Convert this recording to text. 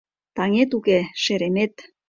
Таҥет уке, шеремет.